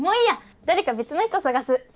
誰か別の人探す。